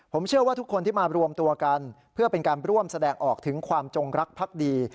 ผมเชื่อว่าทุกคนที่มารวมตัวกันเพื่อเป็นการร่วมแสดงออกถึงความจงรักพักดี